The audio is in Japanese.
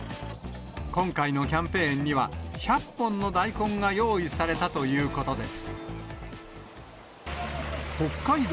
今回のキャンペーンには、１００本の大根が用意されたということです。